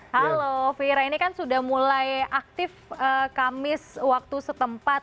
halo fira ini kan sudah mulai aktif kamis waktu setempat